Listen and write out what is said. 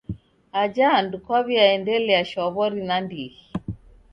Aja andu kwaw'iaendelia shwaw'ori nandighi.